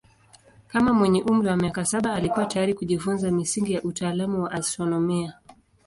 Kama mwenye umri wa miaka saba alikuwa tayari kujifunza misingi ya utaalamu wa astronomia.